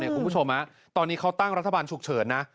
คุณผู้ชมตอนนี้เขาตั้งรัฐบาลฉุกเฉินนะ